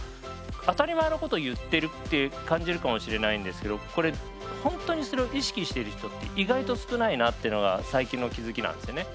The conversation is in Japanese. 当たり前のこと言ってるって感じるかもしれないんですけどこれほんとにそれを意識してる人って意外と少ないなっていうのが最近の気付きなんですよね。